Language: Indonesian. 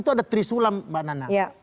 itu ada trisulam mbak nana